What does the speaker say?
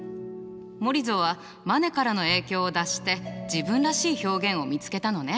モリゾはマネからの影響を脱して自分らしい表現を見つけたのね。